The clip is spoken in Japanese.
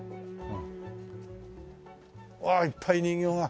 ああいっぱい人形が！